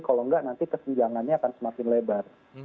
kalau nggak nanti kesidangannya akan semakin lebar